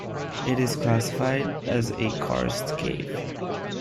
It is classified as a Karst cave.